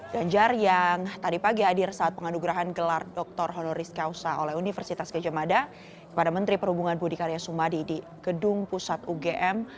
ganjar yang tadi pagi hadir saat penganugerahan gelar dr honoris causa oleh universitas gejamada kepada menteri perhubungan budi karya sumadi di gedung pusat ugm